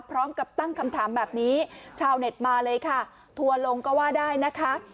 พร้อมกับตั้งคำถามแบบนี้ชาวเน็ตมาเลยค่ะทัวร์ลงก็ว่าได้นะคะ